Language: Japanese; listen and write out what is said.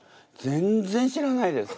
全然知らないです。